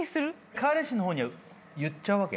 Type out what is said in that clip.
彼氏の方には言っちゃうわけ？